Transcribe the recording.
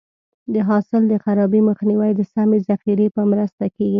د حاصل د خرابي مخنیوی د سمې ذخیرې په مرسته کېږي.